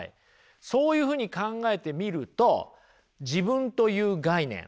そういうふうに考えてみると自分という概念